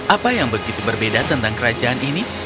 apa yang begitu berbeda tentang kerajaan ini